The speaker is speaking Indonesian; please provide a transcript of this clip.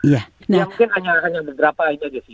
ya mungkin hanya beberapa aja sih